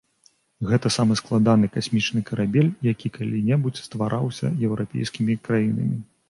Гэта самы складаны касмічны карабель, які калі-небудзь ствараўся еўрапейскімі краінамі.